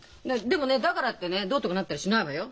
でもねだからってねどうとかなったりしないわよ。